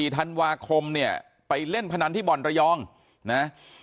ธันวาคมเนี่ยไปเล่นพนันที่บ่อนระยองนะ